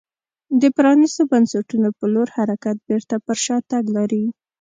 د پرانیستو بنسټونو په لور حرکت بېرته پر شا تګ لري.